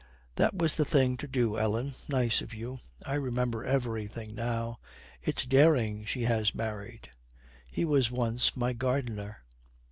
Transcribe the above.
'That was the thing to do, Ellen. Nice of you. I remember everything now. It's Dering she has married. He was once my gardener!'